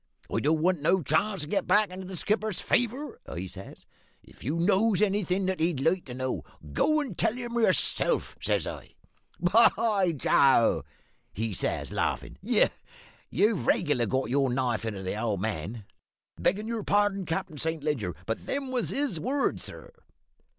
"`I don't want no chance to get back into the skipper's favour,' I says. `If you knows anything that he'd like to know, go and tell him yourself,' says I. "`Why, Joe,' he says, laughin', `you've regular got your knife into the old man,' beggin' your pardon, Cap'n Saint Leger, but them was his words, sir."